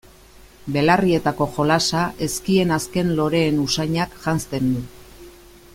Belarrietako jolasa ezkien azken loreen usainak janzten du.